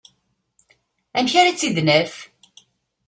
Amek ara tt-id-naf?